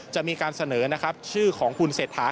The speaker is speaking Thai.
จะมีการเสนอชื่อของคุณเศรษฐา